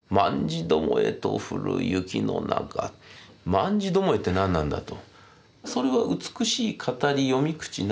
「まんじどもえ」って何なんだと。